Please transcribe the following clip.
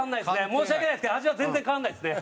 申し訳ないですけど味は全然変わらないですね。